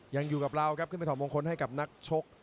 ยังอยู่กับเราครับขึ้นไปถอดมงคลให้กับนักชก